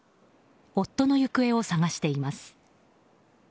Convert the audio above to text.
夫の行方を捜しています。